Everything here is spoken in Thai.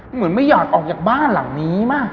เหมือนไม่อยากออกจากบ้านหลังนี้มาก